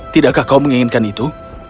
tidakkah kau menginginkan itu